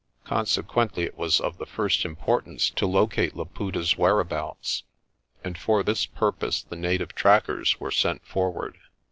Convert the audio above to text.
Consequently it was of the first importance to locate Laputa's whereabouts, and for this pur pose the native trackers were sent forward.